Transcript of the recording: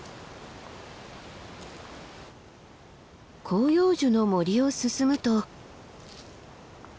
広葉樹の森を進むと。